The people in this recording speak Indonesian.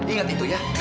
ingat itu ya